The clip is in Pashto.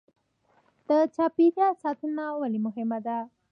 د چاپیریال ساتنه ولې مهمه ده